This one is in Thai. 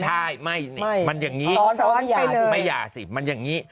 ใช่ไม่มันอย่างนี้ไม่หย่าสิมันอย่างนี้